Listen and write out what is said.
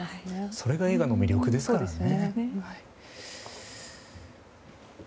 それが映画の魅力ですからね。